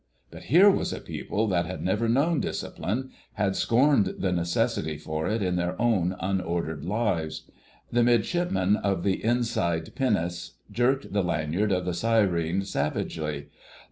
But here was a people that had never known discipline—had scorned the necessity for it in their own unordered lives. The Midshipman of the inside pinnace jerked the lanyard of the syren savagely.